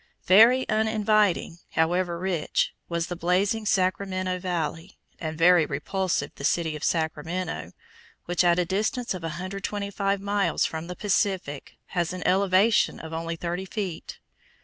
Very uninviting, however rich, was the blazing Sacramento Valley, and very repulsive the city of Sacramento, which, at a distance of 125 miles from the Pacific, has an elevation of only thirty feet.